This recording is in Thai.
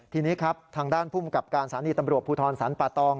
ทีนี้ครับทางด้านผู้มกับการสารณีตำรวจภูทรศัลปะตอง